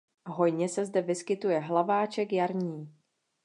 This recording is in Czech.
Hojně se zde vyskytuje hlaváček jarní.